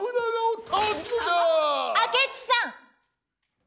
明智さん！